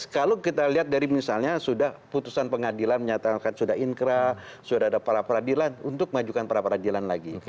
kalau kita lihat dari misalnya sudah putusan pengadilan menyatakan sudah inkra sudah ada pra peradilan untuk mengajukan perapradilan lagi